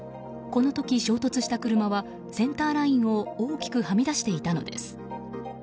この時、衝突した車はセンターラインを大きくはみ出していたのです。